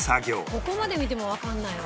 「ここまで見てもわかんないな」